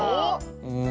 うん。